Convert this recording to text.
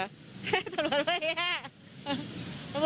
ตำรวจไม่แย่